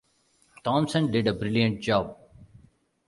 Thomson did a brilliant job.